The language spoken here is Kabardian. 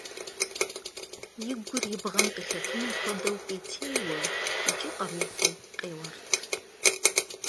И гур и бгъэм къилъэтыным хуэдэу пӀейтеяуэ икӀи къарууфӀэу къеуэрт.